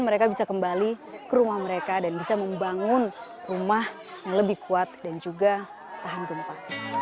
mereka bisa kembali ke rumah mereka dan bisa membangun rumah yang lebih kuat dan juga tahan gempa